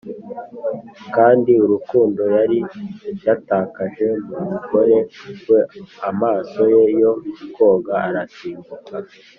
kandi urukundo yari yatakaje mu mugore we amaso ye yo koga arasimbuka;